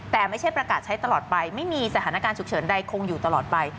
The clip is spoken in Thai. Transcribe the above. แต่ไม่ใช่ประกาศใช้ตลอดไปไม่มีสถานการณ์ฉุกเฉินใดคงอยู่ตลอดไป